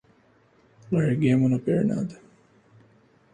Larguemo na pernada!